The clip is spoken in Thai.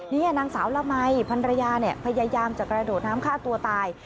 นี่นางสาวละมัยพันรยาพยายามจะกระโดดน้ำฆ่าตัวตาย